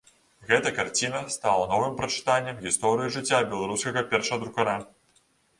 Гэта карціна стала новым прачытаннем гісторыі жыцця беларускага першадрукара.